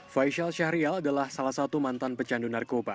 faisal syahrial adalah salah satu mantan pecandu narkoba